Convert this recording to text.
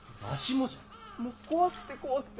もう怖くて怖くて。